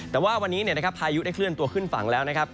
แต่ว่าวันนี้พายุได้เคลื่อนตัวขึ้นฝั่งแล้วนะครับ